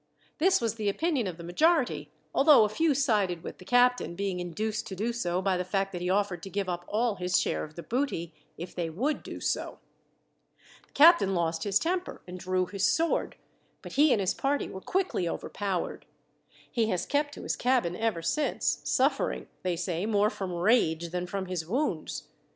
This was the opinion of the majority, although a few sided with the captain, being induced to do so by the fact that he offered to give up all his share of the booty, if they would do so. "The captain lost his temper and drew his sword, but he and his party were quickly overpowered. He has kept to his cabin ever since, suffering, they say, more from rage than from his wounds.